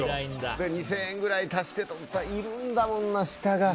２０００円くらい足してって思ったらいるんだもんな、下が。